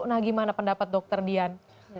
nah gimana pendapat dokter dian